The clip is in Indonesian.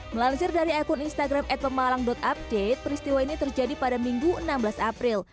melansir dari akun instagram at pemalang update peristiwa ini terjadi pada minggu enam belas april